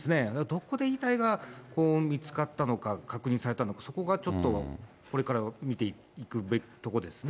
どこで遺体が見つかったのか、確認されたのか、そこがちょっと、これから見ていくべきところですね。